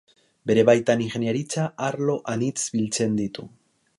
Bere baitan ingeniaritza arlo anitz biltzen ditu.